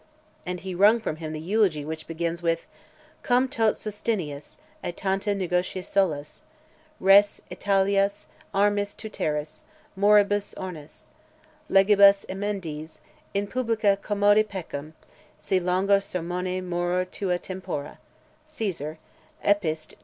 And he wrung from him the eulogy which begins with, Cum tot sustineas, et tanta negotia solus: Res Italas armis tuteris, moribus ornes, Legibus emendes: in publica commoda peccem, Si longo sermone morer tua tempora, Caesar. Epist.